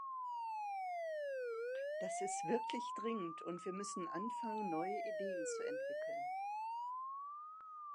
Das ist wirklich dringend, und wir müssen anfangen, neue Ideen zu entwickeln.